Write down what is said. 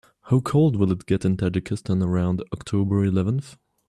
How cold will it get in Tajikistan around oct. eleventh?